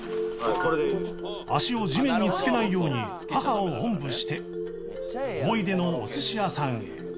足を地面につけないように母をおんぶして思い出のお寿司屋さんへ